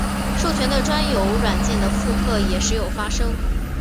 授权的专有软件的复刻也时有发生。